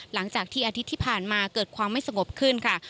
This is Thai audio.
หลังจากที่อาทิตย์ที่ผ่านมาเกิดความไม่สงบขึ้นค่ะ